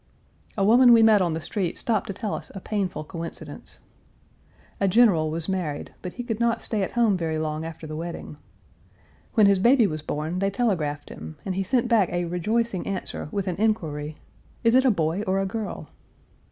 Page 363 A woman we met on the street stopped to tell us a painful coincidence. A general was married but he could not stay at home very long after the wedding. When his baby was born they telegraphed him, and he sent back a rejoicing answer with an inquiry, "Is it a boy or a girl?"